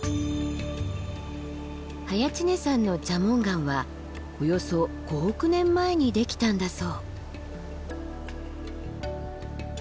早池峰山の蛇紋岩はおよそ５億年前にできたんだそう。